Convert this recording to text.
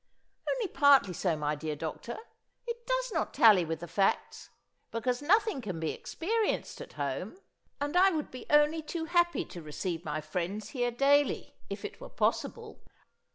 "Only partly so, my dear doctor. It does not tally with the facts because nothing can be experienced at home. And I would be only too happy to receive my friends here daily, if it were possible.